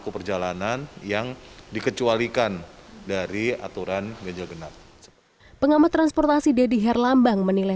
perjalanan dan menjaga kemampuan perjalanan